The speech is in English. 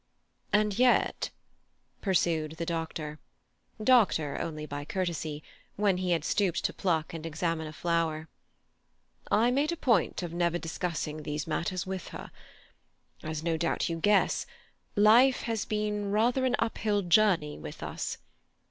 "And yet," pursued the doctor—doctor only by courtesy—when he had stooped to pluck and examine a flower, "I made a point of never discussing these matters with her. As no doubt you guess, life has been rather an uphill journey with us.